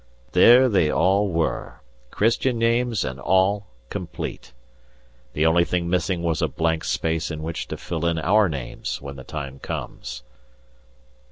There they all were. Christian names and all complete. The only thing missing was a blank space in which to fill in our names when the time comes.